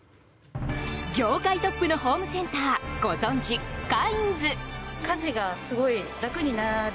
業界トップのホームセンターご存じ、カインズ。